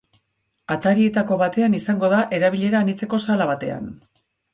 Atarietako batean izango da, erabilera anitzeko sala batean.